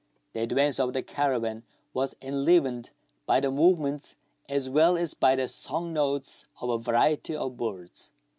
The advance of the caravan was enlivened by the move ments as well as by the song notes of a variety of birds.